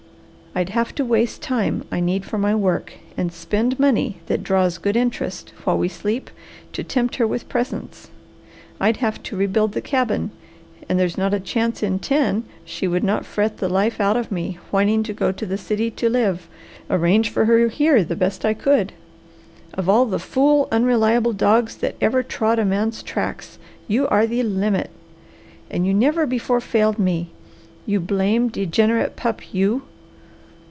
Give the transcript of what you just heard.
I'd have to waste time I need for my work and spend money that draws good interest while we sleep, to tempt her with presents. I'd have to rebuild the cabin and there's not a chance in ten she would not fret the life out of me whining to go to the city to live, arrange for her here the best I could. Of all the fool, unreliable dogs that ever trod a man's tracks, you are the limit! And you never before failed me! You blame, degenerate pup, you!"